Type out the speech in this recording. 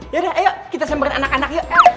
yaudah deh ayo kita samperin anak anak yuk